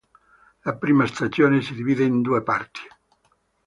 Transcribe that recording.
La prima stagione si divide in due parti.